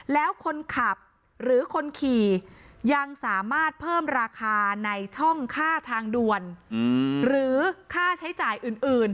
แล้วคนขับหรือคนขี่ยังสามารถเพิ่มราคาในช่องค่าทางด่วนหรือค่าใช้จ่ายอื่น